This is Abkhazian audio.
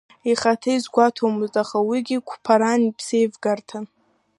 Ихаҭа изгәаҭомызт, аха уигьы қәԥаран, ԥсеивгарҭан.